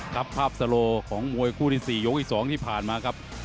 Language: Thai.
ครับภาพสโลของมวยคู่ที่สี่ยกที่สองที่ผ่านมาครับ